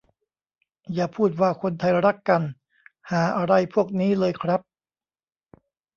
อย่าพูดว่าคนไทยรักกัน ห่าอะไรพวกนี้เลยครับ